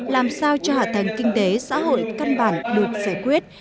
làm sao cho hạ tầng kinh tế xã hội căn bản được giải quyết